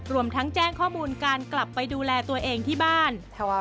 รวมทั้งแจ้งข้อมูลการกลับไปดูแลตัวเองที่บ้าน